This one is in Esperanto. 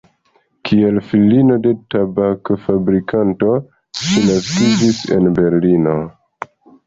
Kiel filino de tabak-fabrikanto ŝi naskiĝis en Berlino.